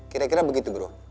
kira kira begitu bro